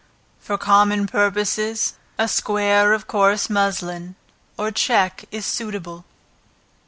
For common purposes, a square of coarse muslin, or check is suitable.